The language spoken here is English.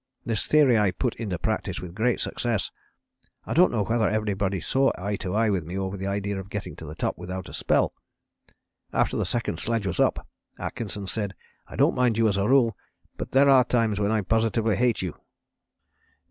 This theory I put into practice with great success. I don't know whether everybody saw eye to eye with me over the idea of getting to the top without a spell. After the second sledge was up Atkinson said: 'I don't mind you as a rule, but there are times when I positively hate you.'"